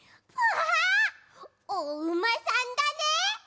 おうまさんだね！